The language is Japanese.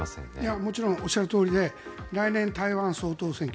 もちろんおっしゃるとおりで来年、台湾総統選挙。